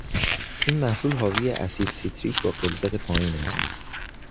این محلول حاوی اسید سیتریک با غلظت پایین است